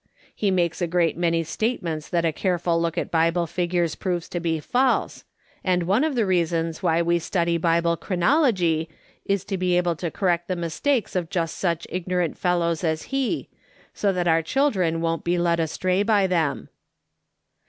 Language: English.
He makes a great many statements that a careful look at Bible figures proves to be false ; and one of the reasons why we study Bible chronology is to be able to correct the mistakes of just such ignorant fellows as he, so that our children won't be led astray by them.'